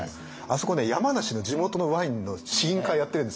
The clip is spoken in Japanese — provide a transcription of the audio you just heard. あそこね山梨の地元のワインの試飲会やってるんですよ。